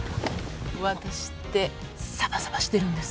ワタシってサバサバしてるんです。